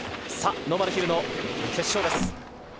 ノーマルヒルの決勝です。